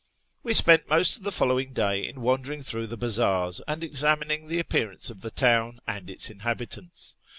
We spent most of the following day in wandering through the bazaars and examining the appearance of the town and its inhabitants.